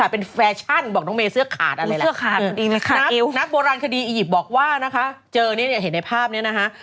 เป็นแฟชั่นบอกน้องเมย์เสื้อขาดอะไรแหละเสื้อขาดนักโบราณคดีอียิปต์บอกว่านะคะเจอเนี่ยเห็นในภาพนี้นะคะ